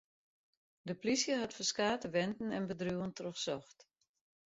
De polysje hat ferskate wenten en bedriuwen trochsocht.